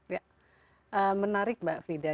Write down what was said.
ya menarik mbak frida